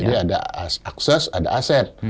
jadi ada akses ada aset